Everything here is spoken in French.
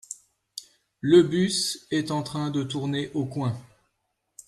Le bus est en train de tourner au coin.